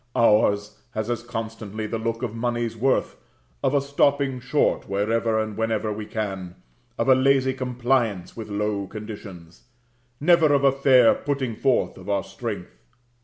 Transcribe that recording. Ours has as constantly the look of money's worth, of a stopping short wherever and whenever we can, of a lazy compliance with low conditions; never of a fair putting forth of our strength.